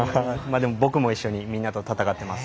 でも僕も一緒にみんなと戦っています。